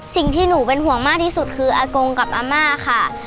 สิ่งที่หนูเป็นห่วงมากที่สุดคืออากงกับอาม่าค่ะ